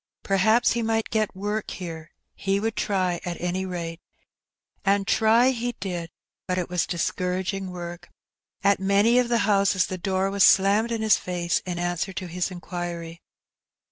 Perhaps he might get work here; he would try, at any rate. And try he did; but it was discouraging work. At many of the houses the door was slammed in his face in answer to his inquiry.